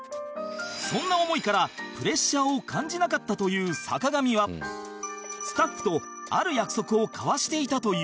そんな思いからプレッシャーを感じなかったという坂上はスタッフとある約束を交わしていたという